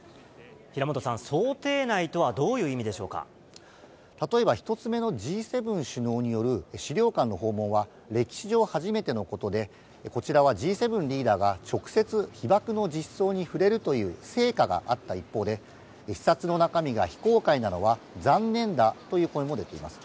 平本さん、想定内とはどうい例えば、１つ目のＧ７首脳による資料館の訪問は、歴史上初めてのことで、こちらはＧ７リーダーが直接、被爆の実相に触れるという成果があった一方で、視察の中身が非公開なのは残念だという声も出ています。